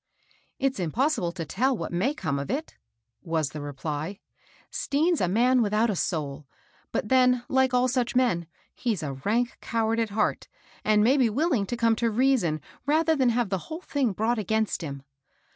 " It's impossible to tell what may come of it," was the reply. "Stean's a man without a soul; but then, like all such men, he's a rank coward at heart, and may be willing to come to reason rather than have the whole thing brought against him.